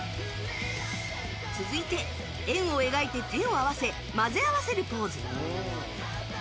続いて、円を描いて手を合わせ混ぜ合わせるポーズ。